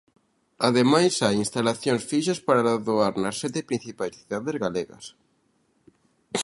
Ademais, hai instalacións fixas para doar nas sete principais cidades galegas.